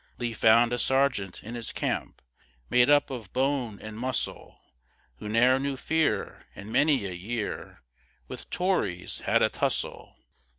Lee found a sergeant in his camp, Made up of bone and muscle, Who ne'er knew fear, and many a year With Tories had a tussle.